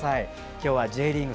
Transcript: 今日はＪリーグ